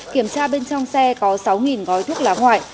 kiểm tra bên trong xe có sáu gói thuốc lá ngoại